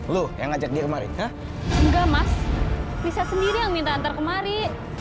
lu yang ngajak dia kemarin enggak mas bisa sendiri yang minta antar kemari